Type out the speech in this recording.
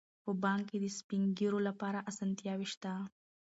په بانک کې د سپین ږیرو لپاره اسانتیاوې شته.